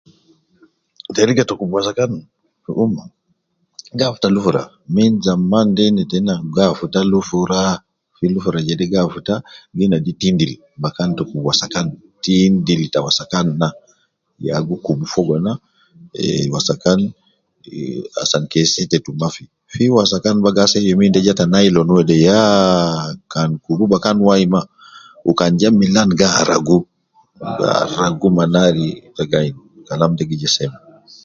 Teriga te kubu wasakan fi ummah gafuta lufura min zaman de ina teina gaafutaa lufura fi lufura jede gi afuta gi nadi tindil bakan ta kubu wasakan, tindil ta wasakan na ya gu kubu Fogo na eeh wasakan asan ke setetu mafi. Fii wasakan baga asede yeminde ja ta Nailon wede yaa kan kubu bakan wai maa u kan ja Milan gaaragu ma nari tegain Kalam de gi ja seme.